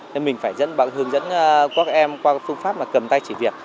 thì mình phải hướng dẫn các em qua phương pháp cầm tay chỉ việc